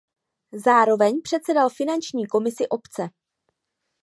Zároveň předsedal finanční komisi obce.